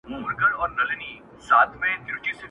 زمري وویل خوږې کوې خبري.!